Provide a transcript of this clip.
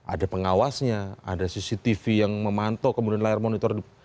ada pengawasnya ada cctv yang memantau kemudian layar monitor